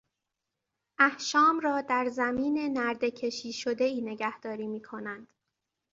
احشام را در زمین نردهکشی شدهای نگهداری میکنند.